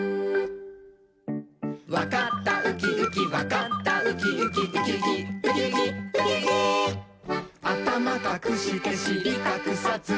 「わかったウキウキわかったウキウキ」「ウキウキウキウキウキウキ」「あたまかくしてしりかくさず」